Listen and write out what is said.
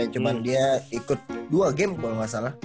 cuma dia ikut dua game kalau nggak salah